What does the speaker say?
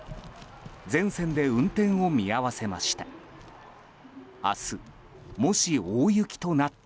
全線で運転を見合わせました。